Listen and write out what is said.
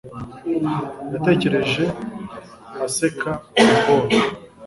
Yatekereje aseka ambonye